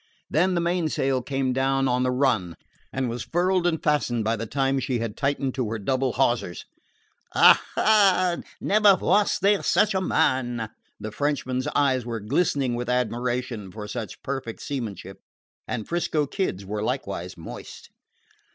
Then the mainsail came down on the run, and was furled and fastened by the time she had tightened to her double hawsers. "Ah, ah! Never was there such a man!" The Frenchman's eyes were glistening with admiration for such perfect seamanship, and 'Frisco Kid's were likewise moist.